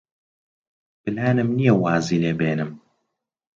پلانم نییە وازی لێ بێنم.